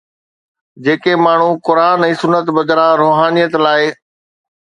جيڪي ماڻهو قرآن ۽ سنت بدران روحانيت لاءِ